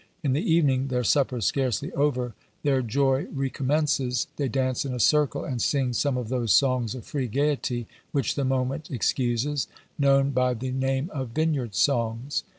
In the evening, their supper scarcely over, their joy recommences, they dance in a circle, and sing some of those songs of free gaiety, which the moment excuses, known by the name of vineyard songs.